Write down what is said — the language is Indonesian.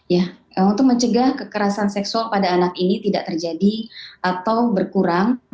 ya untuk mencegah kekerasan seksual pada anak ini tidak terjadi atau berkurang